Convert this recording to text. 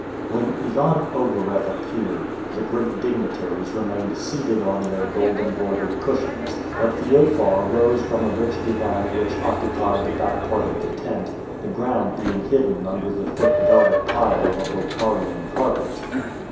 When Ivan Ogareff appeared, the great dignitaries remained seated on their gold embroidered cushions; but Feofar rose from a rich divan which occupied the back part of the tent, the ground being hidden under the thick velvet pile of a Bokharian carpet.